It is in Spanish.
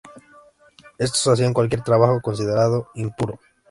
Estos hacían cualquier trabajo considerado impuro.